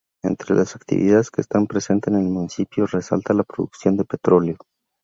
Entre las actividades que están presenten en el municipio, resalta la producción de petroleo.